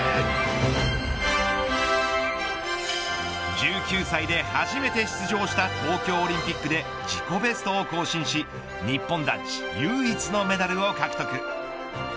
１９歳で初めて出場した東京オリンピックで自己ベストを更新し日本男子、唯一のメダルを獲得。